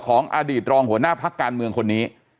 อดีตรองหัวหน้าพักการเมืองคนนี้